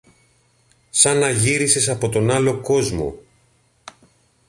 Σαν να γύρισες από τον άλλο κόσμο.